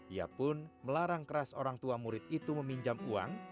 ia pun melarang keras orang tua murid itu meminjam uang